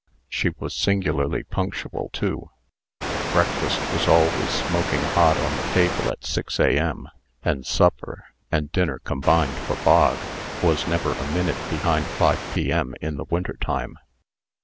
She was singularly punctual, too. Breakfast was always smoking hot on the table at 6 A.M.; and supper (and dinner combined, for Bog) was never a minute behind 5 P.M. in the winter time.